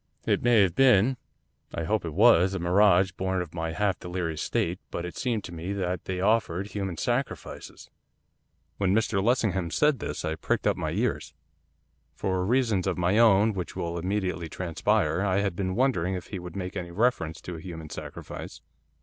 It may have been I hope it was, a mirage born of my half delirious state, but it seemed to me that they offered human sacrifices.' When Mr Lessingham said this, I pricked up my ears. For reasons of my own, which will immediately transpire, I had been wondering if he would make any reference to a human sacrifice.